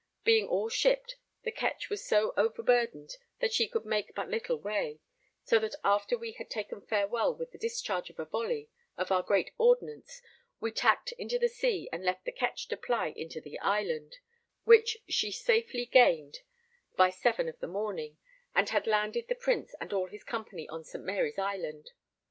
Being all shipped, the ketch was so over burdened as she could make but little way, so that after we had taken farewell with the discharge of a volley of our great ordnance we tacked into the sea and left the ketch to ply into the island, which she safely gained by 7 of the morning, and had landed the Prince and all his company on St. Mary's Island.